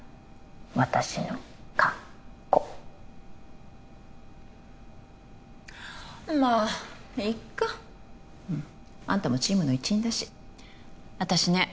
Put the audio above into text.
私の過去まあいっかあんたもチームの一員だし私ね